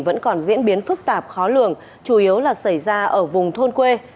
vẫn còn diễn biến phức tạp khó lường chủ yếu là xảy ra ở vùng thôn quê